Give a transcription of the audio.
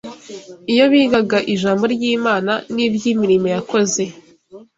Iyo bigaga Ijambo ry’Imana n’iby’imirimo yakoze